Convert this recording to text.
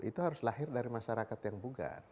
itu harus lahir dari masyarakat yang bugar